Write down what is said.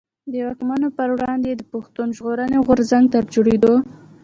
د واکمنو پر وړاندي يې د پښتون ژغورني غورځنګ تر جوړېدو.